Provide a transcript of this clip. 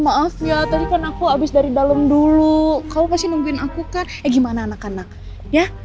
maaf ya tadi kan aku abis dari dalam dulu kamu pasti nungguin aku kan eh gimana anak anak ya